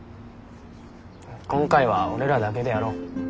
今回は俺らだけでやろう。